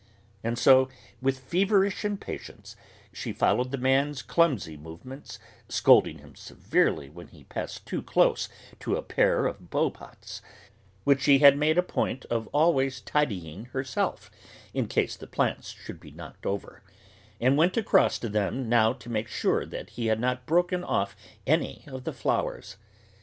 And so, with feverish impatience, she followed the man's clumsy movements, scolding him severely when he passed too close to a pair of beaupots, which she made a point of always tidying herself, in case the plants should be knocked over and went across to them now to make sure that he had not broken off any of the flowers.